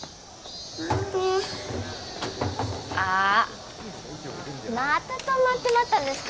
あっまた止まってまったんですか？